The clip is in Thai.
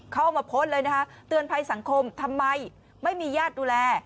เข้ามาโพสต์เลยนะคะเตือนภัยสังคมทำไมไม่มีญาติดูแล